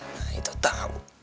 nah itu tau